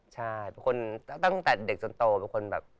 ใช่เป็นคนตั้งแต่เด็กจนโตเป็นคนแบบ